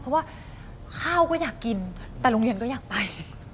เพราะว่าข้าวก็อยากกินแต่โรงเรียนก็อยากไป